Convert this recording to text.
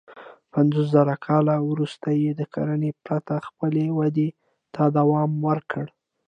پنځوسزره کاله وروسته یې د کرنې پرته خپلې ودې ته دوام ورکړ.